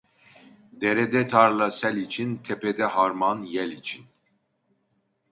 Derede tarla sel için, tepede harman yel için.